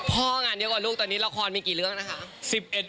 พ่องานเยอะกว่าลูกตอนนี้ละครมีกี่เรื่องนะฮะ